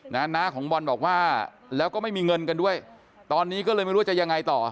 น้าของบอลบอกว่าแล้วก็ไม่มีเงินกันด้วยตอนนี้ก็เลยไม่รู้ว่าจะยังไงต่อ